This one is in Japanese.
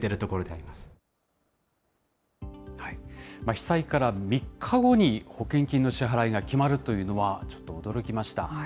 被災から３日後に保険金の支払いが決まるというのは、ちょっと驚きました。